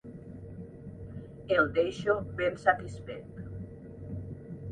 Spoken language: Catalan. El deixo ben satisfet.